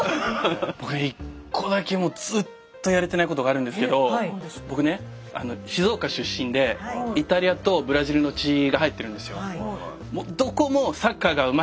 俺１個だけもうずっとやれてないことがあるんですけど僕ね静岡出身でイタリアとブラジルの血が入ってるんですよ。